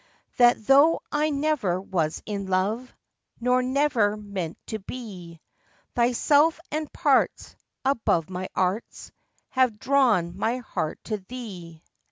That though I never was in love, Nor never meant to be, Thyself and parts Above my arts Have drawn my heart to thee.